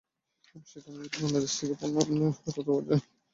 সেখানে যদি বাংলাদেশ থেকে পণ্য আনলে সস্তায় পাওয়া যায়, আমরা সেটাই আনব।